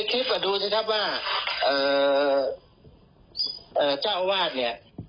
เจ้าอาวาส